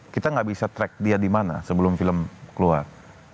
kita gak bisa track dia dimana sebelum film keluar